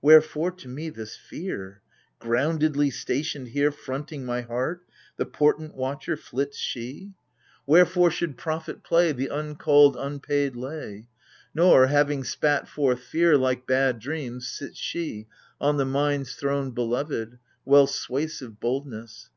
Wherefore to me, this fear — Groundedly stationed here Fronting my heart, the portent watcher — flits she ? 8o AGAMEMNON. Wherefore should prophet play The uncalled unpaid lay, Nor — having spat forth fear, like bad dreams — sits she On the mind's throne beloved — well suasive Boldness